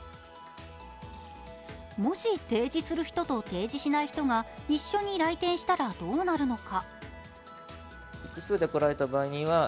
もし提示する人と提示しない人が一緒に来店したらどうなるのか？